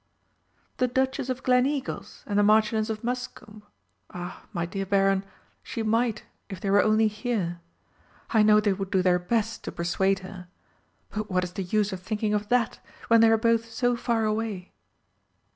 "The Duchess of Gleneagles and the Marchioness of Muscombe? Ah, my dear Baron, she might, if they were only here! I know they would do their best to persuade her. But what is the use of thinking of that, when they are both so far away?"